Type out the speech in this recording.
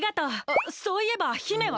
あっそういえば姫は！？